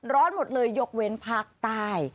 ร้อนหมดเลยยกเว้นภาคใต้